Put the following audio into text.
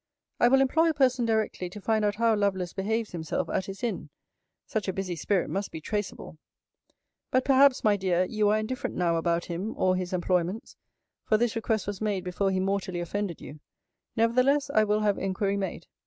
I will employ a person directly to find out how Lovelace behaves himself at his inn. Such a busy spirit must be traceable. But, perhaps, my dear, you are indifferent now about him, or his employments; for this request was made before he mortally offended you. Nevertheless, I will have inquiry made.